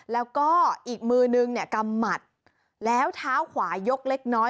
แล้วก็อีกมือนึงเนี่ยกำหมัดแล้วเท้าขวายกเล็กน้อย